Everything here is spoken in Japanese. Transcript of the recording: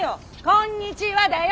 「こんにちは」だよ！